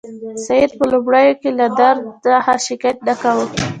سید په لومړیو کې له درد څخه شکایت نه کاوه.